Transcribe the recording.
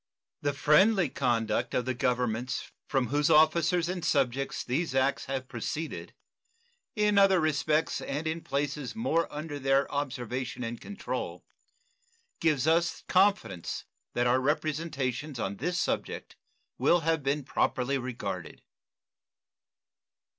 The friendly conduct of the Governments from whose officers and subjects these acts have proceeded, in other respects and in places more under their observation and control, gives us confidence that our representations on this subject will have been properly regarded.